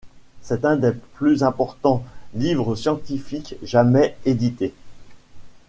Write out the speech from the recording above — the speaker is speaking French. C'est un des plus importants livres scientifiques jamais édités.